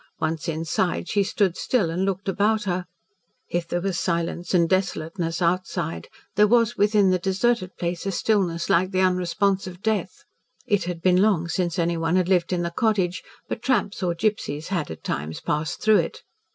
Once inside, she stood still and looked about her. If there was silence and desolateness outside, there was within the deserted place a stillness like the unresponse of death. It had been long since anyone had lived in the cottage, but tramps or gipsies had at times passed through it.